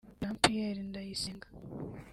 Jean Pierre Ndayisenga